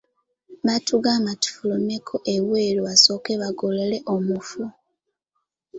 Batugamba tufulumeko ebweru basooke bagolole omufu.